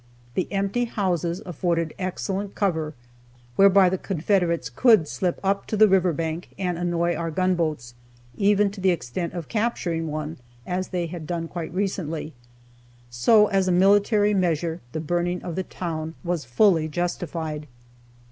The empty houses afforded excellent cover whereby the Confederates could slip up to the river bank and annoy our gunboats, even to the extent of capturing one, as they had done quite recently. So as a military measure the burning of the town was fully justified.